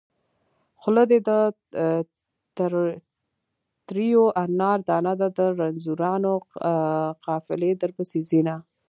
خوله دې د تريو انار دانه ده د رنځورانو قافلې درپسې ځينه